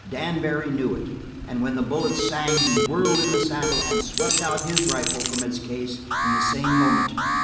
Dan Barry knew it, and when the bullets sang he whirled in the saddle and swept out his rifle from its case in the same movement.